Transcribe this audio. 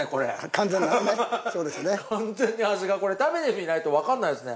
完全に味がこれ食べてみないとわかんないですね。